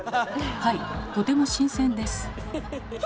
はいとても新鮮です。